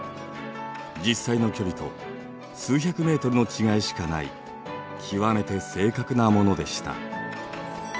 実際の距離と数百メートルの違いしかない極めて正確なものでした。